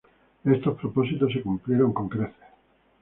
Estos propósitos se cumplieron con creces.